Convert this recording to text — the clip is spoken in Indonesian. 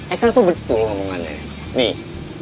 eh kan itu betul omongannya nih